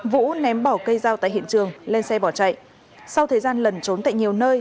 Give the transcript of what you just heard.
vũ ném bỏ cây dao tại hiện trường lên xe bỏ chạy sau thời gian lẩn trốn tại nhiều nơi